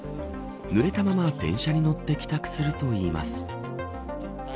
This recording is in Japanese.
ぬれたまま電車に乗って帰宅するといいます。